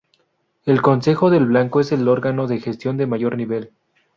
El consejo del Banco es el órgano de gestión de mayor nivel.